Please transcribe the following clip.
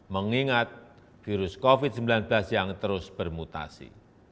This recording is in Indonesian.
mengingat virus covid sembilan belas yang terus bermutasi